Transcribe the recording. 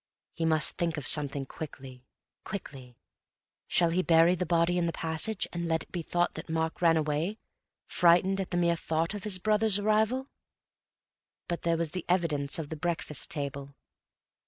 He must think of something quickly, quickly. Shall he bury the body in the passage and let it be thought that Mark ran away, frightened at the mere thought of his brother's arrival? But there was the evidence of the breakfast table.